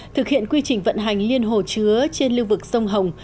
thực hiện quy trình vận hành liên hồ chứa trên lưu vực sông hồng